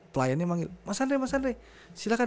pelayannya manggil mas andre silahkan